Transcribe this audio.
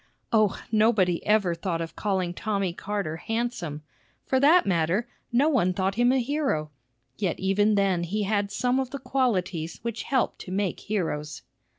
O, nobody ever thought of calling Tommy Carter handsome! For that matter, no one thought him a hero; yet even then he had some of the qualities which help to make heroes.